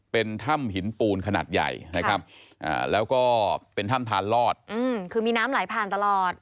เป็นถ้ำหินปูนขนาดใหญ่นะครับแล้วก็เป็นถ้ำทานลอดคือมีน้ำไหลผ่านตลอด